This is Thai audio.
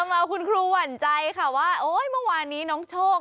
มาเอาคุณครูหวั่นใจค่ะว่าโอ๊ยเมื่อวานนี้น้องโชค